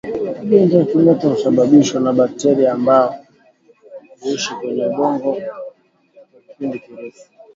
Ugonjwa wa kimeta husababishwa na bakteria ambao huishi kwenye udongo kwa kipindi kirefu